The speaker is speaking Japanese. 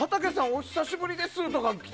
お久しぶりですとか。